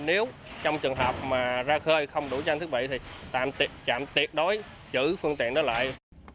nếu trong trường hợp ra khơi không đủ trang thiết bị thì trạm tiệt đối giữ phương tiện đó lại